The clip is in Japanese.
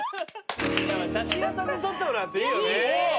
やっぱ写真屋さんで撮ってもらうっていいよね。